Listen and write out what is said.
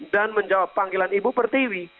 dan menjawab panggilan ibu pertiwi